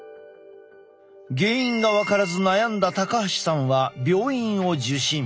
原因が分からず悩んだ高橋さんは病院を受診。